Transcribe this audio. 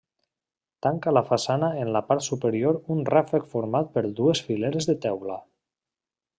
Tanca la façana en la part superior un ràfec format per dues fileres de teula.